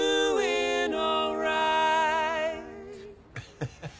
ハハハ。